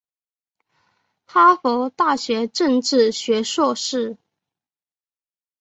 哈佛大学政治学硕士。